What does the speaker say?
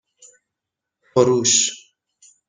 فروش